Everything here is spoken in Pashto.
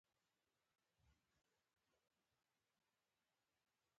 هر عمل یو مساوي عکس العمل لري.